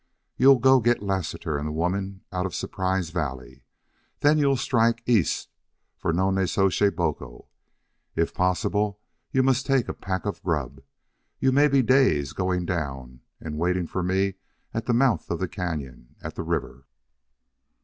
You'll go get Lassiter and the woman out of Surprise Valley. Then you'll strike east for Nonnezoshe Boco. If possible, you must take a pack of grub. You may be days going down and waiting for me at the mouth of the cañon, at the river."